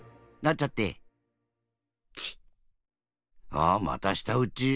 あっまたしたうち。